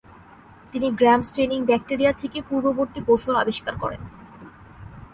তিনি গ্র্যাম staining bacteria থেকে পূর্ববর্তী কৌশল আবিষ্কার করেন।